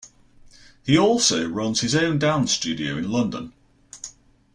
He also runs his own dance studio in London.